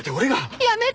やめて！